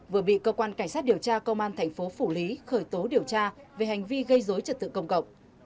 vừa bị cơ quan cảnh sát điều tra công an thành phố phủ lý khởi tố điều tra về hành vi gây dối trật tự công cộng